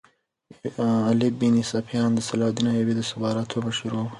علي بن سفیان د صلاح الدین ایوبي د استخباراتو مشر وو